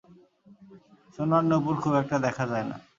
সোনার নূপুর খুব একটা দেখা যায় না।